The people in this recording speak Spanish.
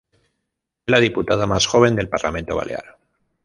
Fue la diputada más joven del Parlamento Balear.